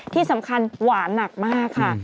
ที่สำคัญหวานหนักมากค่ะ